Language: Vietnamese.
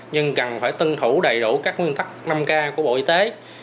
nhưng cần phải tuân thủ đầy đủ các nguyên tắc năm k của bộ y tế